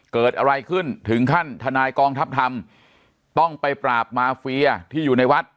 เกิดอะไรขึ้นถึงขั้นทนายกองทัพธรรมต้องไปปราบมาเฟียที่อยู่ในวัด